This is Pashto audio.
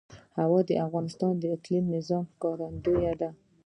هوا د افغانستان د اقلیمي نظام ښکارندوی ده.